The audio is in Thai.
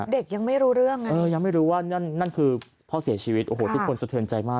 เด็กยังไม่รู้เรื่องไงยังไม่รู้ว่านั่นคือพ่อเสียชีวิตทุกคนสะเทินใจมาก